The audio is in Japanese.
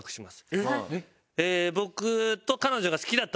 えっ！